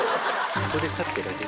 そこで立っていられる？